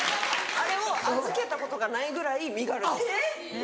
あれを預けたことがないぐらい身軽です。